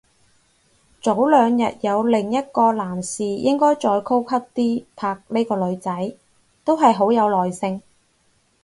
早兩日有另一個男士應該再高級啲拍呢個女仔，都係好有耐性